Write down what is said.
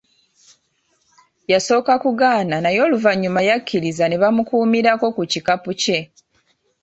Yasooka kugaana naye oluvannyuma yakkiriza ne bamukuumirako ku kikapu kye.